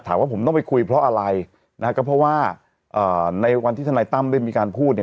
ว่าผมต้องไปคุยเพราะอะไรนะฮะก็เพราะว่าในวันที่ทนายตั้มได้มีการพูดเนี่ย